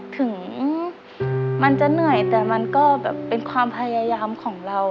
ถึงมันจะเหนื่อยแต่มันก็แบบเป็นความพยายามของเรา